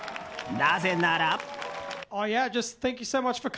なぜなら。